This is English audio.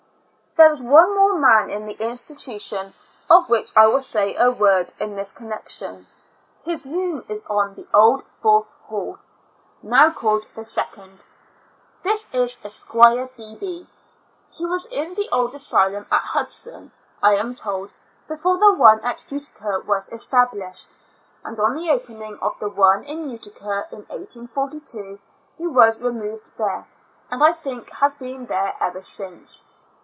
There is one more man in the institution of which I will say a word in this connec tion. His room is on the old fourth hall, now called the second; this is Esq. Behee. He was in the old asylum at Hudson, I am told, before the one at Utica was estab lished; and on the opening of the one in Utica, in 1842, he was removed there, and I think has been there ever since.